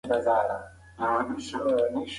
ماشومان په دوبي کې د سیند غاړې ته ځي.